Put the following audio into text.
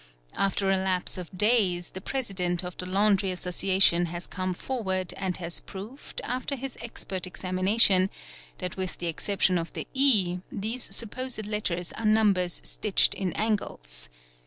After a lapse of © days, the President of the Laundry Association has come forward and has proved, after his expert examination, that with the exception of the | _E, these supposed letters are numbers stitched in angles.